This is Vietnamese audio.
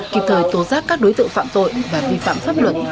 kịp thời tố giác các đối tượng phạm tội và vi phạm pháp luật